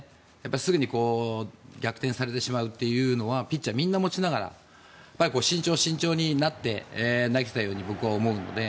すぐに逆転されてしまうというのはピッチャーみんな持ちながら慎重に慎重になって投げてたように僕は思うので。